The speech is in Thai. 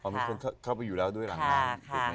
มีคนเข้าไปอยู่แล้วด้วยหลังนั้น